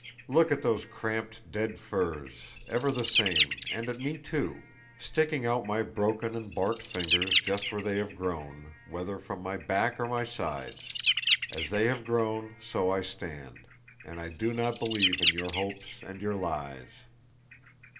Look at those cramped dead firs, ever the same, and at me too, sticking out my broken and barked fingers just where they have grown, whether from my back or my sides: as they have grown so I stand, and I do not believe in your hopes and your lies."